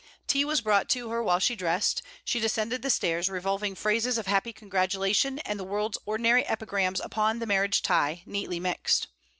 Tea was brought to her while she dressed; she descended the stairs revolving phrases of happy congratulation and the world's ordinary epigrams upon the marriage tie, neatly mixed.